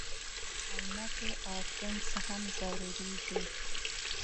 عینکې او پنس هم ضروري دي.